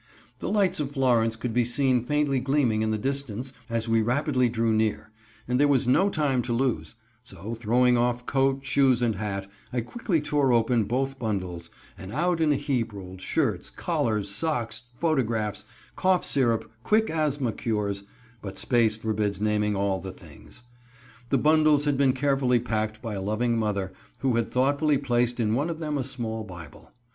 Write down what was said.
The lights of Florence could be seen faintly gleaming in the distance as we rapidly drew near, and there was no time to lose, so throwing off coat, shoes and hat, I quickly tore open both bundles, and out in a heap rolled shirts, collars, socks, photographs, cough syrup, quick asthma cures but space forbids naming all the things. The bundles had been carefully packed by a loving mother, who had thoughtfully placed in one of them a small Bible.